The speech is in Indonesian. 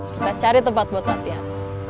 kita cari tempat buat latihan